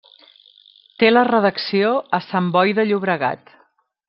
Té la redacció a Sant Boi de Llobregat.